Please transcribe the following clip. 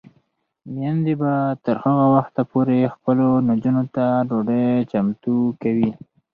میندې به تر هغه وخته پورې خپلو نجونو ته ډوډۍ چمتو کوي.